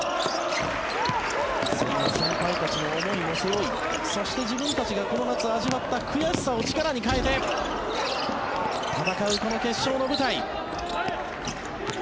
その先輩たちの思いも背負いそして自分たちがこの夏味わった悔しさを力に変えて戦うこの決勝の舞台。